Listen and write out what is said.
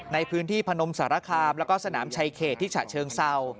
ในพื้นที่พนมสารคามแล้วก็สนามชายเขตที่ฉะเชิงเศร้า